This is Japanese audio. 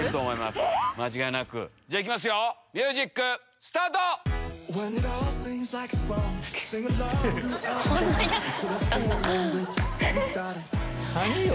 ⁉じゃあ行きますよミュージックスタート！何よ？